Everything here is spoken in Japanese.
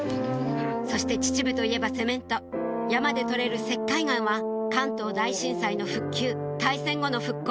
そして秩父といえばセメント山で採れる石灰岩は関東大震災の復旧大戦後の復興